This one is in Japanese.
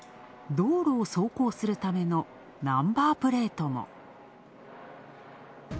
道路を走行するためのナンバープレートも。